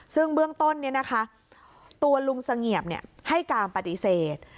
ซึ่งเบื้องต้นนี้นะคะตัวลุงสังเงียบให้กามปฏิเสธ